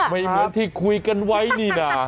เหมือนที่คุยกันไว้นี่นะ